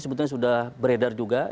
sebetulnya sudah beredar juga